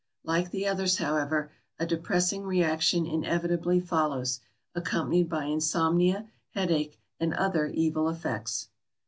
Like the others, however, a depressing reaction inevitably follows, accompanied by insomnia, headache, and other evil effects.